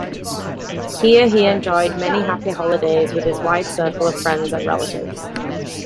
Here he enjoyed many happy holidays with his wide circle of friends and relatives.